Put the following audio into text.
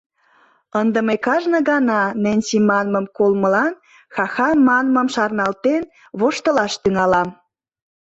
Ынде мый кажне гана Ненси манмым колмылан, «Ха, Ха» манмым шарналтен, воштылаш тӱҥалам.